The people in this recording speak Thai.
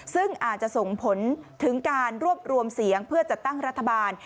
ซึ่งอาจจะส่งผลถึงการรวบรวมเสียงเพื่อจัดตั้งรัฐบาล